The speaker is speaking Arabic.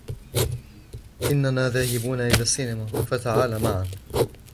اننا ذاهبون إلى سينما ، فتعال معنا.